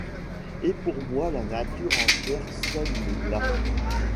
Et pour moi la nature entièreSonne le glas.